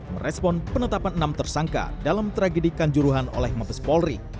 merespon penetapan enam tersangka dalam tragedi kanjuruhan oleh mabes polri